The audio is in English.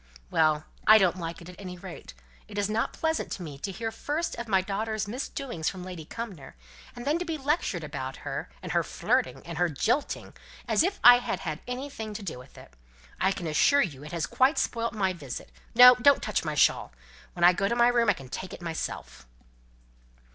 "Well! I don't like it, at any rate. It is not pleasant to me to hear first of my daughter's misdoings from Lady Cumnor, and then to be lectured about her, and her flirting, and her jilting, as if I had had anything to do with it. I can assure you it has quite spoilt my visit. No! don't touch my shawl. When I go to my room I can take it myself."